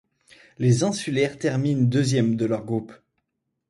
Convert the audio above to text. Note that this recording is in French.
Les insulaires terminent deuxième de leur groupe.